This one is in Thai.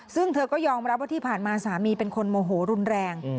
ซึ่งเธอก็ยอมรับว่าที่ผ่านมาสามีเป็นคนโมโหรุนแรง